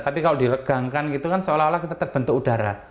tapi kalau dilegangkan gitu kan seolah olah kita terbentuk udara